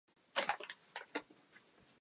山形県舟形町